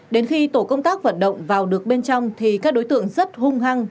đến khi tổ công tác vận động vào được bên trong thì các đối tượng rất hung hăng